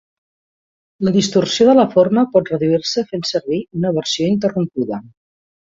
La distorsió de la forma pot reduir-se fent servir una versió interrompuda.